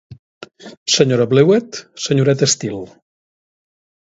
Senyora Blewett, senyoreta Steele.